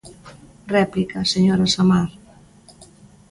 Réplica, señora Samar.